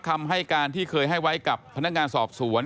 คำให้การที่เคยให้ไว้กับพนักงานสอบสวน